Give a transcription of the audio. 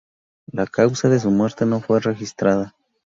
La causa de su muerte no fue registrada.